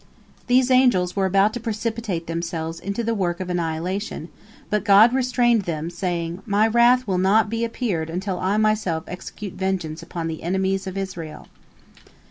These angels were about to precipitate themselves into the work of annihilation, but God restrained them, saying, "My wrath will not be appeased until I Myself execute vengeance upon the enemies of Israel."